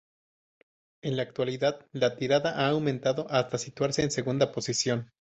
En la actualidad, la tirada ha aumentado hasta situarse en segunda posición.